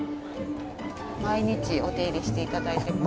毎日お手入れして頂いてます。